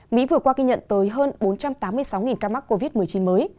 mỹ vừa qua ghi nhận tới hơn bốn trăm tám mươi sáu ca mắc covid một mươi chín mới